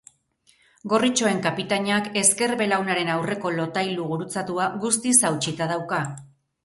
Gorritxoen kapitainak ezker belaunaren aurreko lotailu gurutzatua guztiz hautsita dauka.